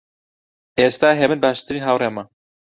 ئێستا هێمن باشترین هاوڕێمە.